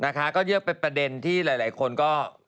นะคะก็เยอะเป็นประเด็นที่หลายคนก็